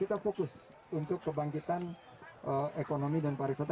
kita fokus untuk kebangkitan ekonomi dan pariwisata